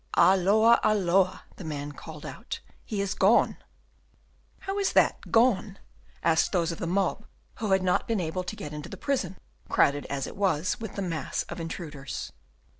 "Halloa, halloa!" the man called out, "he is gone." "How is that? gone?" asked those of the mob who had not been able to get into the prison, crowded as it was with the mass of intruders.